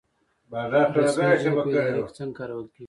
رسمي ژبې په اداره کې څنګه کارول کیږي؟